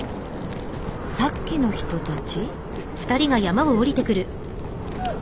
さっきの人たち？